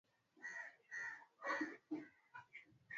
na ni kwa nini hawafanyi vyema profesa tatizo ziko wapi